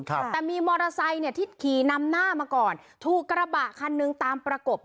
ครับแต่มีมอเตอร์ไซค์เนี่ยที่ขี่นำหน้ามาก่อนถูกกระบะคันหนึ่งตามประกบ